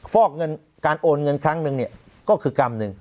ฟอกเงินการโอนเงินครั้งนึงก็คือกรรมนึง